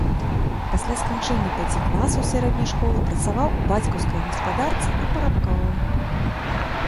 Пасля сканчэння пяці класаў сярэдняй школы працаваў у бацькаўскай гаспадарцы і парабкаваў.